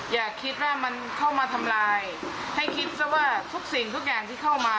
อย่าคิดว่ามันเข้ามาทำลายให้คิดซะว่าทุกสิ่งทุกอย่างที่เข้ามา